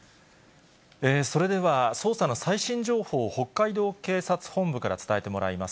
それでは捜査の最新情報を、北海道警察本部から伝えてもらいます。